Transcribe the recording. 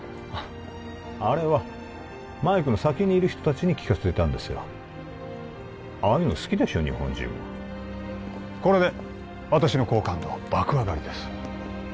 あれはマイクの先にいる人たちに聞かせていたんですよああいうの好きでしょ日本人はこれで私の好感度は爆上がりです